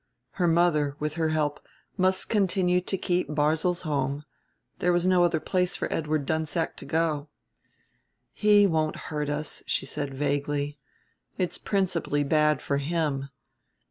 Her mother, with her help, must continue to keep Barzil's home: there was no other place for Edward Dunsack to go. "He won't hurt us," she said vaguely. "It's principally bad for him.